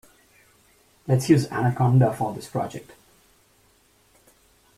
Let's use Anaconda for this project.